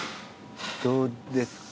どうですか？